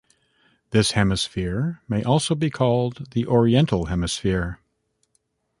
This hemisphere may also be called the "Oriental Hemisphere".